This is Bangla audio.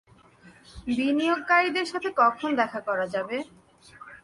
বিনিয়োগকারীদের সাথে কখন দেখা করা যাবে?